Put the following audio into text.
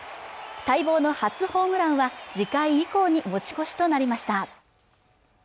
待望の初ホームランは次回以降に持ち越しとなりました